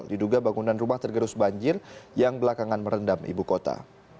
diduga bangunan rumah tergerus banjir yang belakangan merendam ibu kota